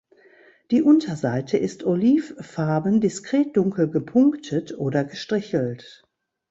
Die Unterseite ist olivfarben diskret dunkel gepunktet oder gestrichelt.